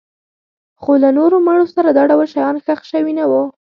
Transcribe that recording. خو له نورو مړو سره دا ډول شیان ښخ شوي نه وو